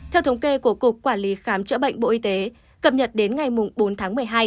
theo thống kê của cục quản lý khám chữa bệnh bộ y tế cập nhật đến ngày bốn tháng một mươi hai